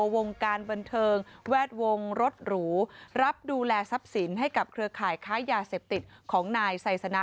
วงการบันเทิงแวดวงรถหรูรับดูแลทรัพย์สินให้กับเครือข่ายค้ายาเสพติดของนายไซสนะ